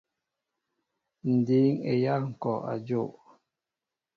Ǹ dǐŋ eyâl ŋ̀kɔ' a jow.